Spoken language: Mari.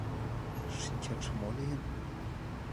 — Шинчатше мо лийын?